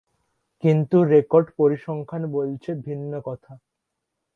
কিন্তু রেকর্ড পরিসংখ্যান বলছে ভিন্ন কথা।